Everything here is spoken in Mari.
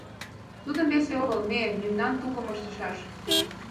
Тидым весе огыл, ме, мемнан тукым ыштышаш.